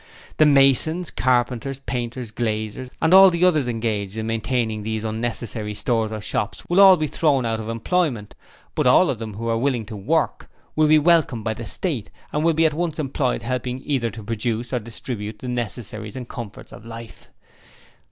'The masons, carpenters, painters, glaziers, and all the others engaged in maintaining these unnecessary stores and shops will all be thrown out of employment, but all of them who are willing to work will be welcomed by the State and will be at once employed helping either to produce or distribute the necessaries and comforts of life.